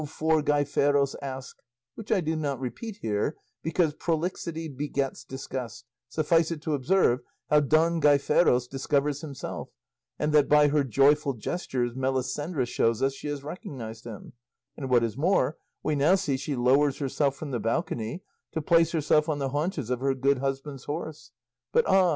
for Gaiferos ask which I do not repeat here because prolixity begets disgust; suffice it to observe how Don Gaiferos discovers himself, and that by her joyful gestures Melisendra shows us she has recognised him; and what is more, we now see she lowers herself from the balcony to place herself on the haunches of her good husband's horse. But ah!